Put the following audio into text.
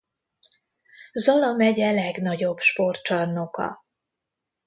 Zala megye legnagyobb sportcsarnoka.